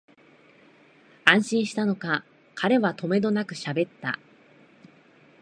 安心したのか、彼はとめどなくしゃべった